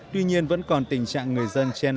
tuy nhiên vẫn còn tình trạng người dân trên đảo